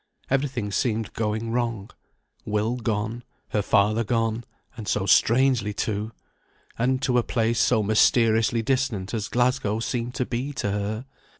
Everything seemed going wrong. Will gone; her father gone and so strangely too! And to a place so mysteriously distant as Glasgow seemed to be to her!